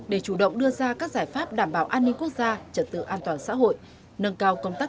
để chủ động đưa ra các giải pháp đảm bảo an ninh quốc gia trật tự an toàn xã hội nâng cao công tác